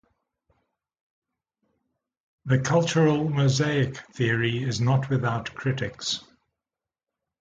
The "cultural mosaic" theory is not without critics.